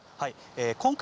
今回、